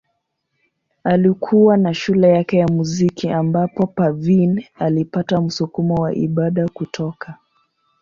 Alikuwa na shule yake ya muziki ambapo Parveen alipata msukumo wa ibada kutoka.